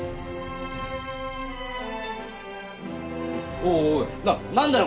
おいおいな何だよ？